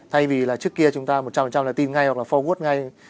thay vì là trước kia chúng ta một trăm linh là tin ngay hoặc là forward ngay